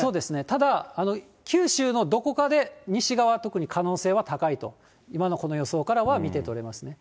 ただ、九州のどこかで西側、特に可能性は高いと、今のこの予想からは見て取れますね。